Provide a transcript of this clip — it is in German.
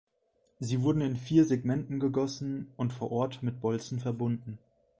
Sie wurden in vier Segmenten gegossen und vor Ort mit Bolzen verbunden.